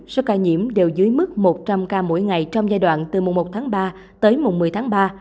số ca nhiễm đều dưới mức một trăm linh ca mỗi ngày trong giai đoạn từ mùa một tháng ba tới mùng một mươi tháng ba